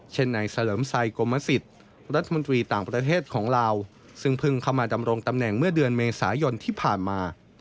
เช่นในเฉลิมชัยกรมสิทธิ์รัฐมนตรีต่างประเทศของลาวซึ่งเพิ่งเข้ามาดำรงตำแหน่งเมื่อเดือนเมษายนที่ผ่านมา